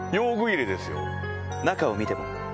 中を見ても？